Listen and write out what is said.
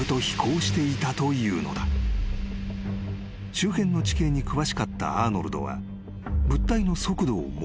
［周辺の地形に詳しかったアーノルドは物体の速度を目算］